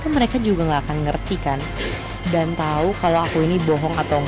mereka juga gak akan ngerti kan dan tau kalau aku ini bohong atau engga